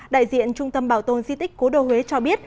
đại diện trung tâm bảo tồn di tích cố đô huế cho biết